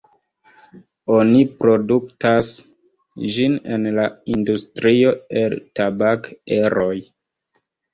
Oni produktas ĝin en la industrio el tabak-eroj.